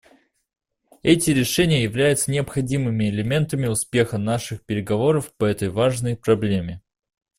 Эти решения являются необходимыми элементами успеха наших переговоров по этой важной проблеме.